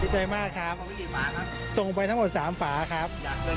ใจมากครับส่งไปทั้งหมดสามฝาครับ